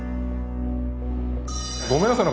ごめんなさい。